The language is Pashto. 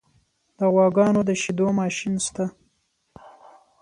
د غواګانو د شیدو ماشین شته؟